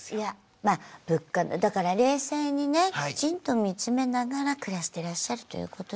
まあ物価のだから冷静にねきちんと見つめながら暮らしてらっしゃるということで。